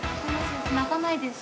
鳴かないです。